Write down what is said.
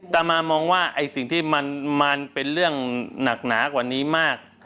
ตามมามองว่าไอ้สิ่งที่มันเป็นเรื่องหนักหนากว่านี้มาก